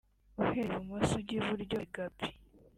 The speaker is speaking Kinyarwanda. uhereye ibumoso ujya iburyo hari Gaby